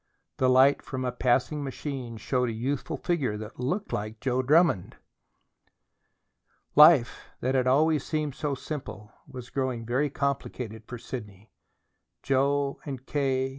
The light from a passing machine showed a youthful figure that looked like Joe Drummond. Life, that had always seemed so simple, was growing very complicated for Sidney: Joe and K.